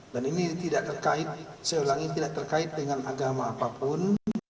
dan ini tidak terkait saya ulangi tidak terkait dengan agama apapun